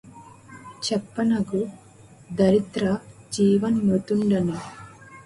చెప్పనగు ధరిత్ర జీవన్మృతుం డని